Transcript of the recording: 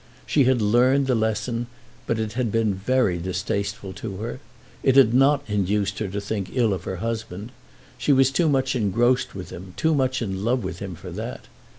She had learned the lesson, but it had been very distasteful to her. It had not induced her to think ill of her husband. She was too much engrossed with him, too much in love with him for that.